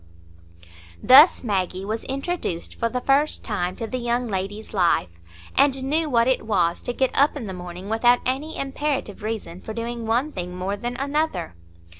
Thus Maggie was introduced for the first time to the young lady's life, and knew what it was to get up in the morning without any imperative reason for doing one thing more than another.